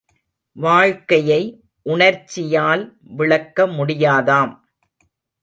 வாழ்க்கையை உணர்ச்சியால் விளக்க முடியாதாம்.